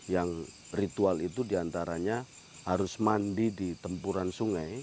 yang ritual itu diantaranya harus mandi di tempuran sungai